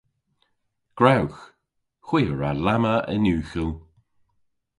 Gwrewgh! Hwi a wra lamma yn ughel!